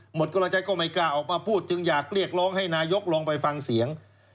กรชัยก็ไม่กล้าออกมาพูดจึงอยากเรียกร้องให้นายกลองไปฟังเสียง